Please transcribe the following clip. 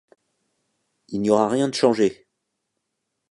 Il n’y aura rien de changé !